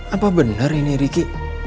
apa benar ini ricky